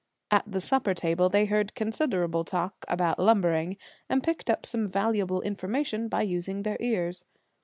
At the supper table they heard considerable talk about lumbering, and picked up some valuable information by using their ears.